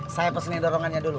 saya pesennya dorongannya dulu